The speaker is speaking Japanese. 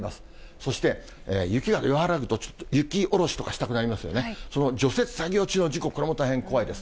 そして、雪が和らぐと、雪下ろしとかしたくなりますよね、その除雪作業中の事故、これも大変怖いです。